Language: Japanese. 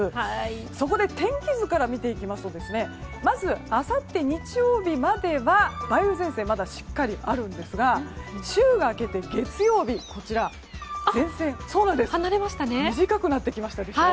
そこで、天気図から見ていくとまず、あさって日曜日までは梅雨前線がまだしっかりあるんですが週が明けて月曜日、こちら前線が短くなってきましたでしょう。